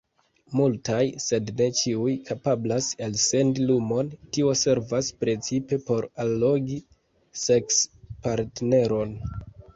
Multaj, sed ne ĉiuj, kapablas elsendi lumon; tio servas precipe por allogi seks-partneron.